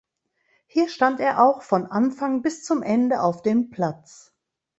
Hier stand er auch von Anfang bis zum Ende auf dem Platz.